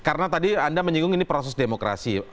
karena tadi anda menyinggung ini proses demokrasi